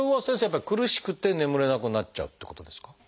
やっぱり苦しくて眠れなくなっちゃうっていうことですか？